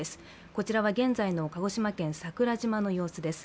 こちらは現在の鹿児島県桜島の様子です